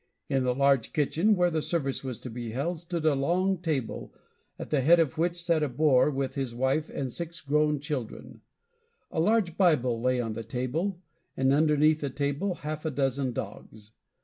In the large kitchen, where the service was to be held, stood a long table, at the head of which sat the Boer, with his wife and six grown children. A large Bible lay on the table, and underneath the table half a dozen dogs.